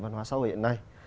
văn hóa xã hội hiện nay